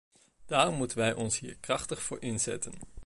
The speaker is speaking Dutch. Daarom moeten wij ons hier krachtig voor inzetten.